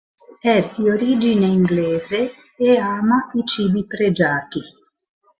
È di origine inglese e ama i cibi pregiati.